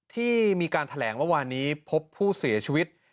ที่มีการแถลงเมื่อวานนี้พบผู้เสียชีวิต